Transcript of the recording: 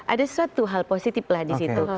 ada suatu hal positif lah di situ